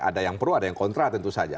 ada yang pro ada yang kontra tentu saja